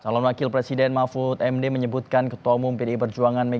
calon wakil presiden mahfud md menyebutkan ketomong pdi perjuangan menteri